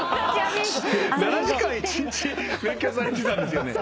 ７時間１日勉強されてたんですよね？